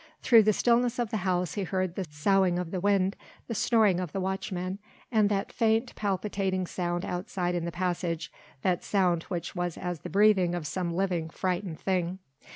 Through the stillness of the house he heard the soughing of the wind, the snoring of the watchmen, and that faint, palpitating sound outside in the passage that sound which was as the breathing of some living, frightened thing.